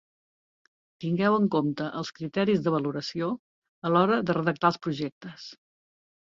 Tingueu en compte els criteris de valoració a l'hora de redactar els projectes.